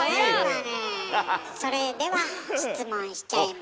それでは質問しちゃいますよ。